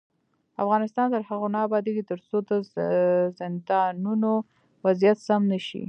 افغانستان تر هغو نه ابادیږي، ترڅو د زندانونو وضعیت سم نشي.